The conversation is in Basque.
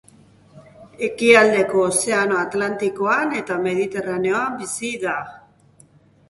Ekialdeko Ozeano Atlantikoan eta Mediterraneoan bizi da.